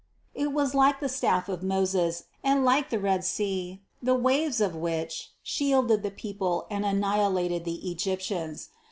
It was like the staff of Moses, and like the Red Sea, the waves of which shielded the people and annihilated the Egyptians.